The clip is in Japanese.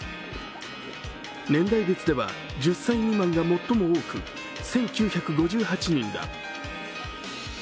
年代別では１０歳未満が最も多く、１９５８人だ。